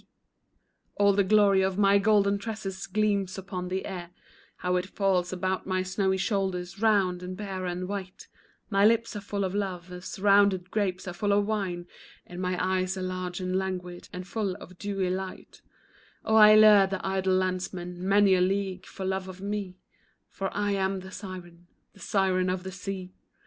All the glory of my golden tresses gleams upon the air, How it falls about my snowy shoulders, round and bare and white; My lips are full of love as rounded grapes are full of wine, And my eyes are large and languid, and full of dewy light; Oh, I lure the idle landsmen many a league for love of me, For I am the siren, the siren of the sea.